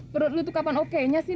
perut lo tuh kapan oke nya sih ne